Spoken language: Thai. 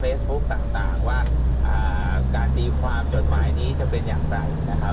ต่างว่าการตีความจดหมายนี้จะเป็นอย่างไรนะครับ